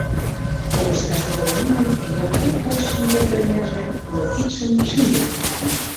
Колышташ огыл манын, Ялпай пылышым петырынеже, но кидшым шеҥгек пидме.